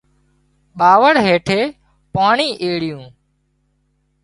ٻاوۯ هيٺي پاڻي ايڙيون